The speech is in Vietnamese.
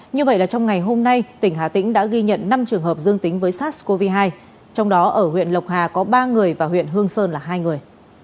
như vậy là trong ngày hôm nay tỉnh hà tĩnh đã ghi nhận năm trường hợp dương tính với sars cov hai trong đó ở huyện lộc hà có ba người và huyện hương sơn là hai người